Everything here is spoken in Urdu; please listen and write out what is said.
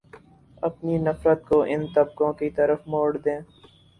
اپنی نفرت کو ان طبقوں کی طرف موڑ دیں